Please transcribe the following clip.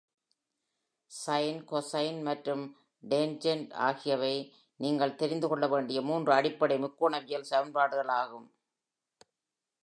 Sign, cosine மற்றும் tangent ஆகியவை நீங்கள் தெரிந்து கொள்ள வேண்டிய மூன்று அடிப்படை முக்கோணவியல் சமன்பாடுகள் ஆகும்.